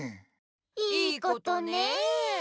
良いことねえ。